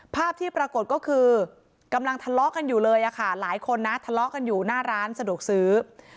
ภาพที่ปรากฏก็คือกำลังทะเลาะกันอยู่เลยค่ะหลายคนนะทะเลาะกันอยู่หน้าร้านสะดวกซื้อ